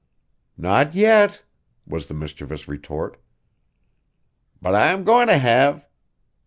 "Not yet," was the mischievous retort. "But I am goin' to have.